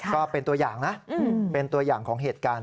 ก็เป็นตัวอย่างนะเป็นตัวอย่างของเหตุการณ์